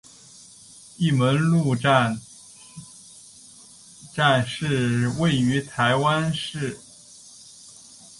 玉门路站站是位于台湾台中市西屯区的台湾大道干线公车站。